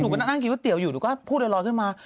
ก็หนูก็นั่งกินข้าวเตี๋ยวอยู่หนูก็พูดลอยขึ้นมา